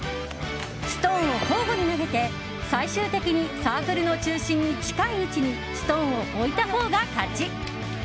ストーンを交互に投げて最終的にサークルの中心に近い位置にストーンを置いたほうが勝ち！